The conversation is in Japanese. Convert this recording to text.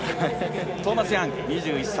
トーマス・ヤング、２１歳。